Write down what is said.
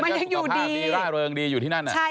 มันยังอยู่ดี